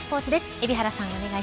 海老原さん